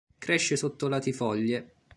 Cresce sotto latifoglie.